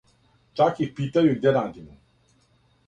Чак их питају и где радимо.